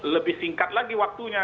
lebih singkat lagi waktunya